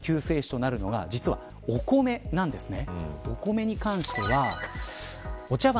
そんな中、救世主となるのが実は、お米なんですね。